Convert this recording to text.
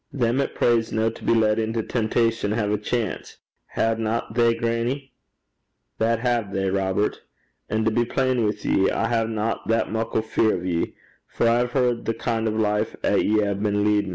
'Them 'at prays no to be led into temptation hae a chance haena they, grannie?' 'That hae they, Robert. And to be plain wi' ye, I haena that muckle fear o' ye; for I hae heard the kin' o' life 'at ye hae been leadin'.